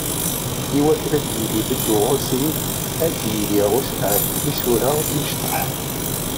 I wakken ad yili beddu unṣib, ad d-yili usenɛet n yisura imecṭaḥ.